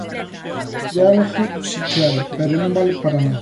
Diálogo si que hai, pero non vale para nada.